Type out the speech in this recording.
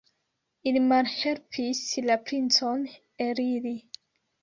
Ili malhelpis la princon eliri.